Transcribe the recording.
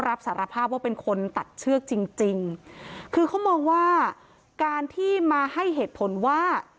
รับสารภาพว่าเป็นคนตัดเชือกจริงจริงคือเขามองว่าการที่มาให้เหตุผลว่า